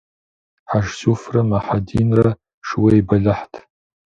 Хьэжсуфрэ Мухьэдинрэ шууей бэлыхьт.